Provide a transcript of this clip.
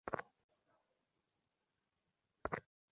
বষ্টনে রওনা হবার আগে কয়েক ঘণ্টার জন্য অন্তত মণ্টক্লেয়ারে ঘুরে যেতে হবে।